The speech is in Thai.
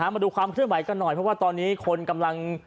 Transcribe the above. มาดูความเคลื่อนไหวกันหน่อยเพราะว่าตอนนี้คนกำลัง